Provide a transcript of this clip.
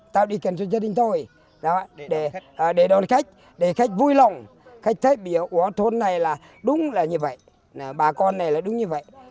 tao đi kênh cho gia đình tôi để đón khách để khách vui lòng khách thấy bây giờ thôn này là đúng như vậy bà con này là đúng như vậy